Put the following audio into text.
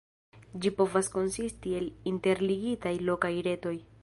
Ĝi povas konsisti el interligitaj lokaj retoj.